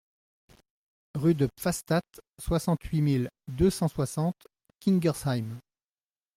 Rue de Pfastatt, soixante-huit mille deux cent soixante Kingersheim